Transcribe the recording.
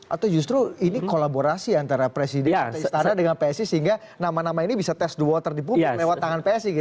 atau justru ini kolaborasi antara presiden atau istana dengan psi sehingga nama nama ini bisa test the water di publik lewat tangan psi gitu